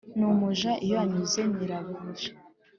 N umuja iyo azunguye nyirabuja